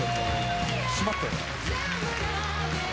締まったよね。